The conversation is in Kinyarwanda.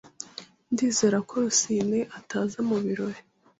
Ndizera ko Rusine ataza mubirori.